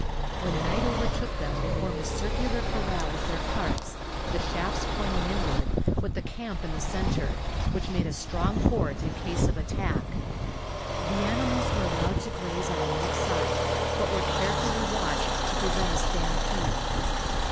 When night overtook them they formed a circular corral with their carts, the shafts pointing inward, with the camp in the center, which made a strong fort in case of attack. The animals were allowed to graze on the outside, but were carefully watched to prevent a stampede.